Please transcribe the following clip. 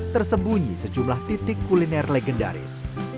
tersembunyi sejumlah titik kuliner legendaris